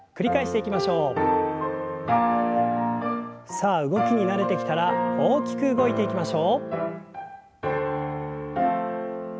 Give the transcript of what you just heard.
さあ動きに慣れてきたら大きく動いていきましょう。